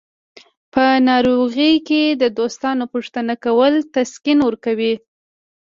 په ناروغۍ کې د دوستانو پوښتنه کول تسکین ورکوي.